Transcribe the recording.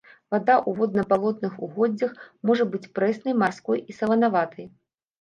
Вада ў водна-балотных угоддзях можа быць прэснай, марской і саланаватай.